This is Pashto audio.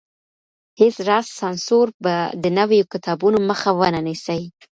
هيڅ راز سانسور به د نويو کتابونو مخه ونه نيسي.